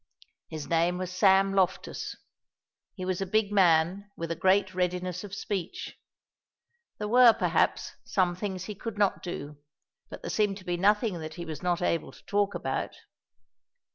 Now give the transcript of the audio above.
His name was Sam Loftus. He was a big man with a great readiness of speech. There were, perhaps, some things he could not do, but there seemed to be nothing that he was not able to talk about.